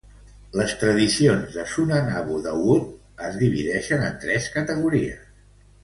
Les tradicions de "Sunan Abu Dawud" es divideixen en tres categories.